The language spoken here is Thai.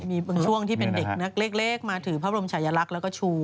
มีบางช่วงที่เป็นเด็กนักเล็กมาถือพระบรมชายลักษณ์แล้วก็ชู